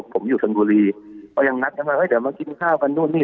ผมอยู่ชนบุรีก็ยังนัดกันว่าเดี๋ยวมากินข้าวกันนู่นนี่